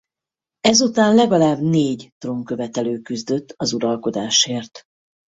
Ezután legalább négy trónkövetelő küzdött az uralkodásért.